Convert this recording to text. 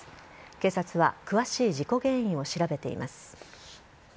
警察は詳しい事故原因を調べています。